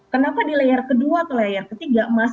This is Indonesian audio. kenapa di layer kedua ke layer ketiga mas